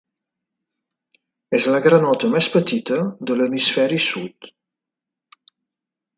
És la granota més petita de l'hemisferi sud.